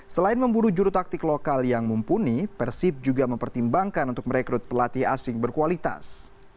selain memburu juru taktik lokal yang mumpuni persib juga mempertimbangkan untuk merekrut pelatih asing berkualitas